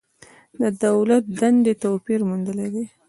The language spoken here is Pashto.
د دولت دندې توپیر موندلی دی.